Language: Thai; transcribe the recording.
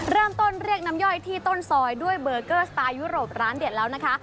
เรียกน้ำย่อยที่ต้นซอยด้วยเบอร์เกอร์สไตล์ยุโรปร้านเด็ดแล้วนะคะ